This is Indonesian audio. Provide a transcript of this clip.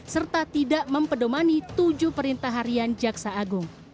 serta tidak mempedomani tujuh perintah harian jaksa agung